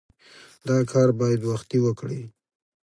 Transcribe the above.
دا کار باید وختي وکړې.